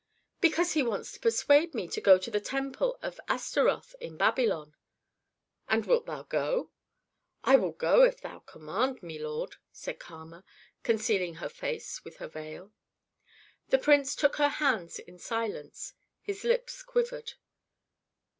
"Because he wants to persuade me to go to the temple of Astaroth in Babylon." "And wilt thou go?" "I will go if thou command me, lord," said Kama, concealing her face with her veil. The prince took her hands in silence. His lips quivered.